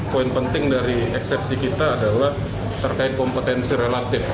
poin penting dari eksepsi kita adalah terkait kompetensi relatif